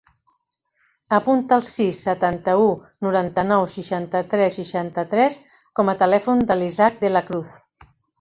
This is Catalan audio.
Apunta el sis, setanta-u, noranta-nou, seixanta-tres, seixanta-tres com a telèfon de l'Isaac De La Cruz.